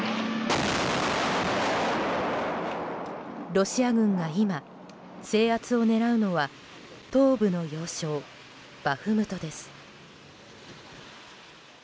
ロシア軍が今、制圧を狙うのは東部の要衝バフムトです。